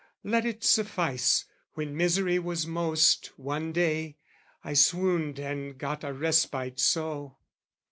Let it suffice, when misery was most, One day, I swooned and got a respite so.